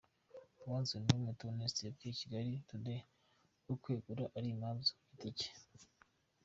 Uwanzwenuwe Theonetse yabwiye Kigali Today ko kwegura ari impamvu ze ku giti cye.